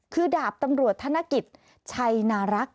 คือดาบตำรวจธนกิจชัยนารักษ